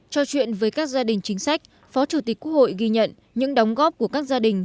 trò chuyện với các gia đình chính sách phó chủ tịch quốc hội ghi nhận những đóng góp của các gia đình